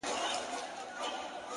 د روح څه قصور نه و حرکت خاورې ايرې کړ;